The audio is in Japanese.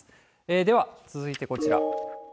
では、続いてこちら。